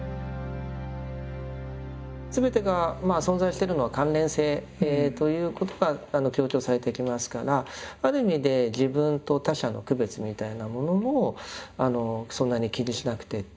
すべてがまあ存在してるのは関連性ということが強調されてきますからある意味で自分と他者の区別みたいなものもそんなに気にしなくてっていうんでしょうかね